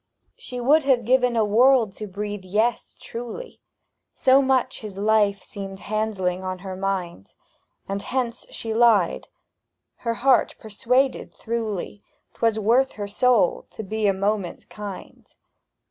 She would have given a world to breathe "yes" truly, So much his life seemed handing on her mind, And hence she lied, her heart persuaded throughly 'Twas worth her soul to be a moment kind.